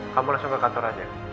kamu langsung ke kantor aja